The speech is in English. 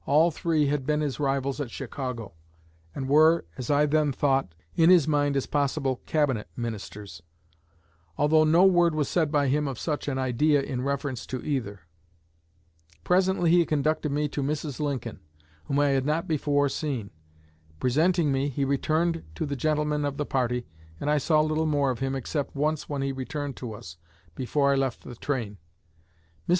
All three had been his rivals at Chicago, and were, as I then thought, in his mind as possible Cabinet ministers; although no word was said by him of such an idea in reference to either. Presently he conducted me to Mrs. Lincoln, whom I had not before seen. Presenting me, he returned to the gentlemen of the party, and I saw little more of him except once when he returned to us, before I left the train. Mrs.